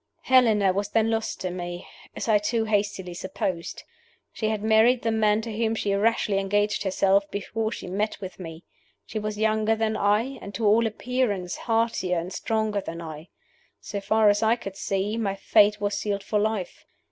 "Helena was then lost to me, as I too hastily supposed. She had married the man to whom she rashly engaged herself before she met with me. He was younger than I, and, to all appearance, heartier and stronger than I. So far as I could see, my fate was sealed for life.